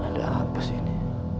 ada apa sih ini